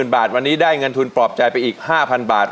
บาทวันนี้ได้เงินทุนปลอบใจไปอีก๕๐๐บาท